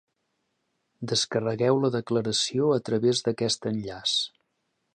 Descarregueu la declaració a través d'aquest enllaç.